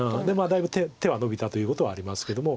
だいぶ手はのびたということはありますけども。